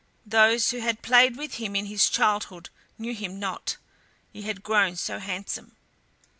Those who had played with him in his childhood knew him not, he had grown so handsome.